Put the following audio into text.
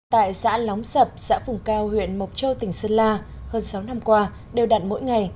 tại xã lóng sập xã vùng cao huyện mộc châu tỉnh sơn la hơn sáu năm qua đều đặn mỗi ngày